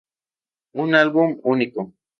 Un álbum único.